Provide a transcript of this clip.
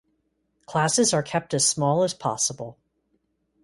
Classes are kept as small as possible.